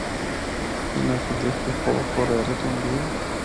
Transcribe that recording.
اِناں کو دکھ کے خوف ہور حیرت ہوندی ہے۔